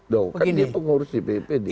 doh kan dia pengurus dpp dia